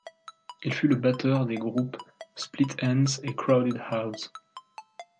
Il fut le batteur des groupes Split Enz et Crowded House.